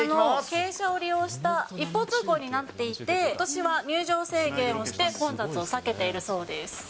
傾斜を利用した一方通行になっていて、ことしは入場制限をして、混雑を避けているそうです。